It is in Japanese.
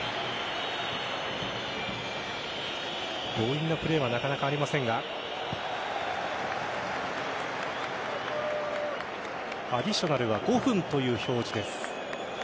強引なプレーはなかなかありませんがアディショナルは５分という表示です。